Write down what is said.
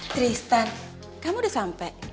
tristan kamu udah sampe